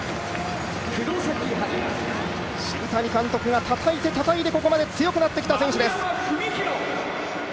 澁谷監督がたたいてたたいてここまで強くなってきた選手です。